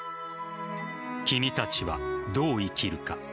「君たちはどう生きるか」